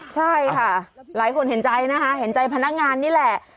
ใช่ค่ะหลายคนเห็นใจนะคะเห็นใจพนักงานนี่แหละ